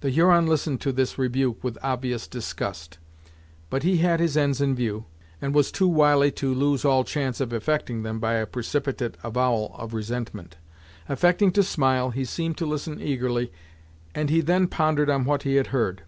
The Huron listened to this rebuke with obvious disgust, but he had his ends in view, and was too wily to lose all chance of effecting them by a precipitate avowal of resentment. Affecting to smile, he seemed to listen eagerly, and he then pondered on what he had heard.